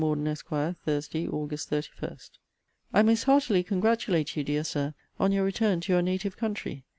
MORDEN, ESQ. THURSDAY, AUG. 31. I most heartily congratulate you, dear Sir, on your return to your native country.